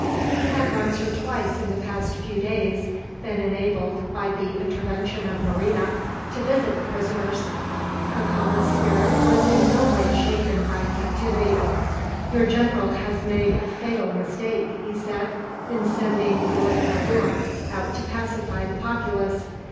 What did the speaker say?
He had once or twice in the past few days been enabled, by the intervention of Marina, to visit the prisoners. Cacama's spirit was in no way shaken by captivity. "Your general has made a fatal mistake," he said, "in sending Cuitlahua out to pacify the populace.